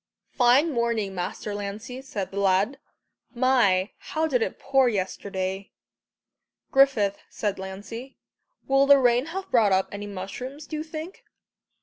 "Fine morning, Master Lancey," said the lad. "My, how it did pour yesterday!" "Griffith," said Lancey, "will the rain have brought up any mushrooms, do you think?"